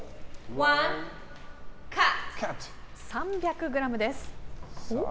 ３００ｇです。